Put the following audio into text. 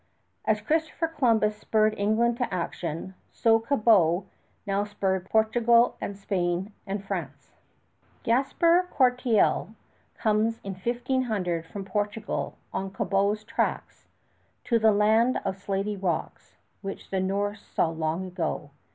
As Christopher Columbus spurred England to action, so Cabot now spurred Portugal and Spain and France. Gaspar Cortereal comes in 1500 from Portugal on Cabot's tracks to that land of "slaty rocks" which the Norse saw long ago.